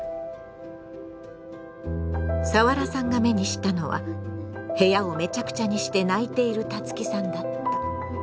サワラさんが目にしたのは部屋をめちゃくちゃにして泣いているタツキさんだった。